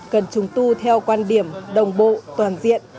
cần trùng tu theo quan điểm đồng bộ toàn diện